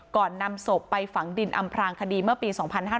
นำศพไปฝังดินอำพลางคดีเมื่อปี๒๕๕๙